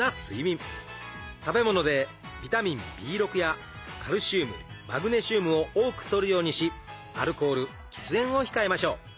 食べ物でビタミンＢやカルシウムマグネシウムを多くとるようにしアルコール喫煙を控えましょう。